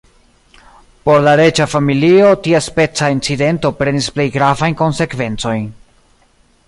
Por la reĝa familio, tiaspeca incidento prenis plej gravajn konsekvencojn.